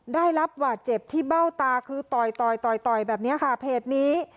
ได้รับบาดเจ็บที่เบ้าตาคือต่อยแบบเนี้ยค่ะเพจนี้